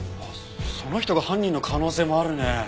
その人が犯人の可能性もあるね。